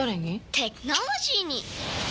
テクノロジーに！